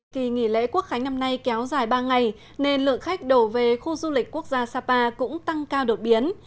kỳ nghỉ lễ quốc khánh năm nay kéo dài ba ngày nên lượng khách đổ về khu du lịch quốc gia sapa cũng tăng cao đột biến